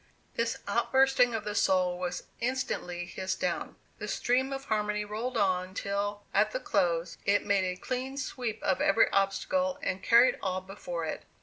This outbursting of the soul was instantly hissed down. The stream of harmony rolled on till, at the close, it made a clean sweep of every obstacle, and carried all before it.